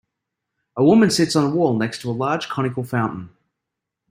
A woman sits on a wall next to a large conical fountain.